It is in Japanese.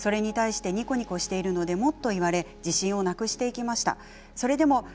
それに対してにこにこしているので、もっと言われ自信をなくしていきました。